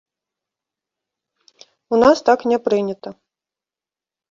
У нас так не прынята.